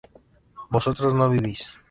vosotros no vivís